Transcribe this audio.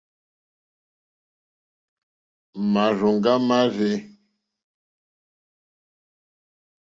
Márzòŋɡá mâ rzɛ̂.